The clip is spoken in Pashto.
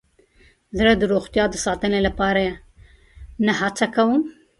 زه د روغتیا د ساتنې لپاره نه هڅه کوم.